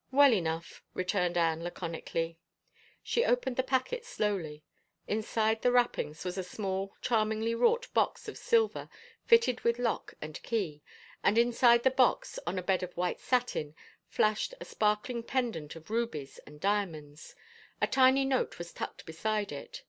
" Well enough," returned Anne laconically. She opened the packet slowly. Inside the wrappings was a small, charmingly wrought box of silver, fitted with lock and key, and inside the box, on a bed of white satin, flashed a sparkling pendant of rubies and diamonds. A tiny note was tucked beside it.